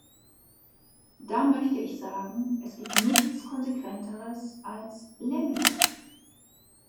Da möchte ich sagen, es gibt nichts Konsequenteres als Lemminge.